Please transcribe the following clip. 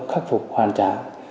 khắc phục hoàn trả